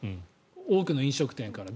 多くの飲食店から。